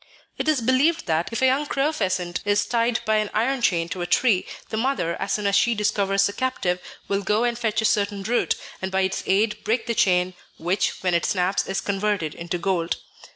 It is believed that, if a young crow pheasant is tied by an iron chain to a tree, the mother, as soon as she discovers the captive, will go and fetch a certain root, and by its aid break the chain, which, when it snaps, is converted into gold.